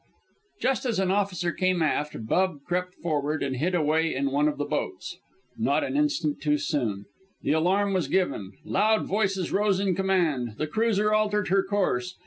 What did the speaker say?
Just as an officer came aft, Bub crept forward, and hid away in one of the boats. Not an instant too soon. The alarm was given. Loud voices rose in command. The cruiser altered her course.